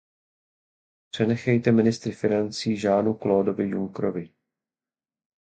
Přenechejte ministry financí Jeanu-Claudeovi Junckerovi.